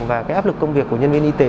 và cái áp lực công việc của nhân viên y tế